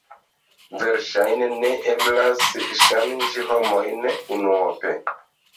Verŝajne ne eblas ŝanĝi homojn unuope.